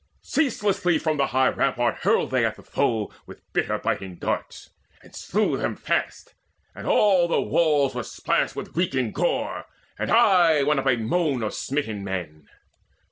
Ceaselessly From the high rampart hurled they at the foe With bitter biting darts, and slew them fast; And all the walls were splashed with reeking gore, And aye went up a moan of smitten men.